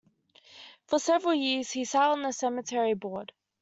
For several years, he sat on the cemetery board.